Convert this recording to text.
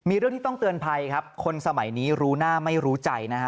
มีเรื่องที่ต้องเตือนภัยครับคนสมัยนี้รู้หน้าไม่รู้ใจนะฮะ